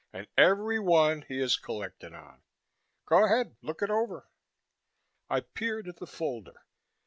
And, every one, he has collected on. Go ahead, look it over." I peered at the folder.